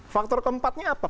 faktor keempatnya apa